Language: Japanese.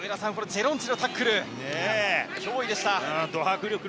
ジェロンチのタックル、驚異でした。